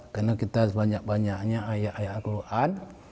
karena kita banyak banyaknya ayat ayat al quran